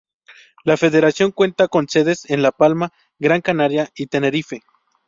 La federación cuenta con sedes en La Palma, Gran Canaria y Tenerife.